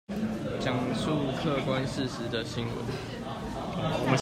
講述客觀事實的新聞